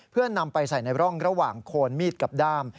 เพื่อนำไปใส่ในร่องระหว่างโคนมีดกับด้าม